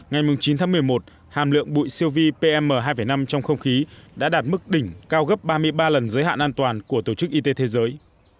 ngày chín tháng một mươi một hàm lượng bụi siêu vi pm hai năm trong không khí đã đạt mức đỉnh cao gấp ba mươi ba lần giới hạn an toàn của tổ chức y tế thế giới